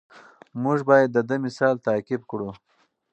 موږ باید د ده مثال تعقیب کړو.